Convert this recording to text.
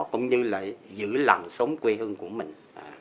cũng như là giữ làng sống quê hương của mình